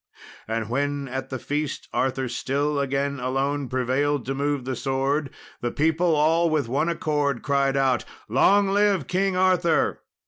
And when at the feast Arthur still again alone prevailed to move the sword, the people all with one accord cried out, "Long live King Arthur!